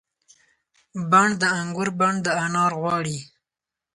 بڼ د انګور بڼ د انار غواړي